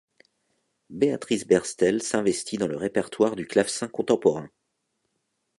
Béatrice Berstel s'investit dans le répertoire du clavecin contemporain.